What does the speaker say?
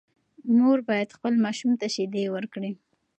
مور باید خپل ماشوم ته شیدې ورکړي.